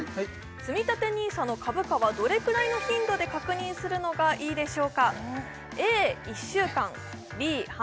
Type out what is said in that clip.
つみたてＮＩＳＡの株価はどれくらいの頻度で確認するのがいいでしょうか？